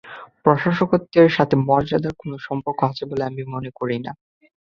প্রশাসকত্বের সাথে মর্যাদার কোন সম্পর্ক আছে বলে আমি মনে করি না।